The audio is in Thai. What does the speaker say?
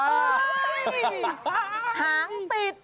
เฮ้ยหางติด